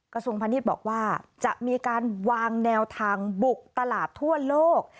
กระทรวงพาณิชย์บอกว่าจะมีการวางแนวทางบุกตลาดทั่วโลก